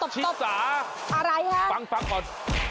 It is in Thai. ชิสาอะไรคะฟังก่อน